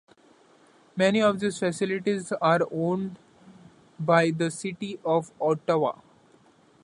Many of these facilities are owned by the City of Ottawa.